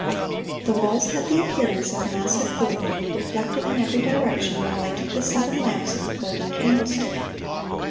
The walls had the appearance of massive gold, reflecting in every direction the light of the seven lamps of the golden candlestick.